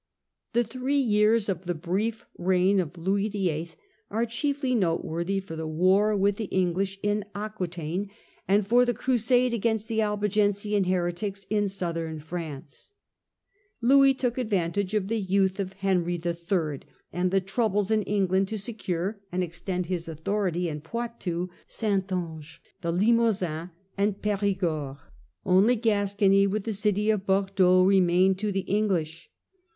The three years of the brief reign of Louis VIII. are chiefly noteworthy for the war with the English in Aquitaine, and for the crusade against the Albigensian heretics in southern France. Louis took advantage of the youth of Henry III. and War o ,,,. r, , T 1 . 1 1 • with the of the troubles in England to secure and extend his English in authority in Poitou, Saintonge, the Limousin and Peri M^utame gord. Only Gascony, with the city of Bordeaux, remained to the English.